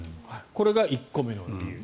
これが１個目の理由。